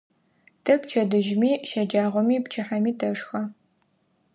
Тэ пчэдыжьыми, щэджагъоми, пчыхьэми тэшхэ.